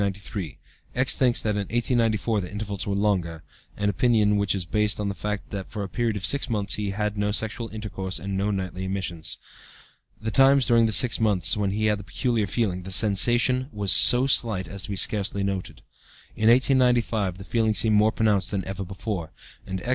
X. thinks that in 1894 the intervals were longer, an opinion which is based on the fact that for a period of six months he had no sexual intercourse and no nightly emissions. The times during this six months when he had the 'peculiar feeling,' the sensation was so slight as to be scarcely noted. In 1895, the feeling seemed more pronounced than ever before, and X.